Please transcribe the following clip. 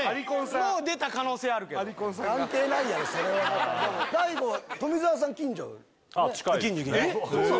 もう出た可能性あるけど関係ないやろそれは大悟あっ近いですね